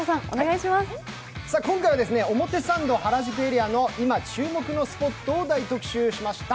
今回は、表参道・原宿エリアの今注目のスポットを大特集しました。